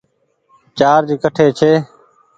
چآرج ڪٺي ڇي ۔